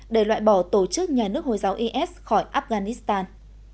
để loại bỏ tổ chức nhà nước hồi giáo is khỏi afghanistan